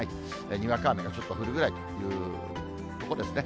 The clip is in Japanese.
にわか雨がちょっと降るくらいというところですね。